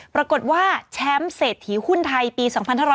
ปรากฏว่าแชมป์เศรษฐีหุ้นไทยปี๒๕๖๐